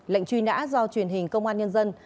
lệnh truy nã do truyền hình công an nhân dân